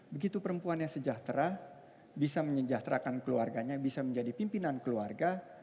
begitu perempuan yang sejahtera bisa menyejahterakan keluarganya bisa menjadi pimpinan keluarga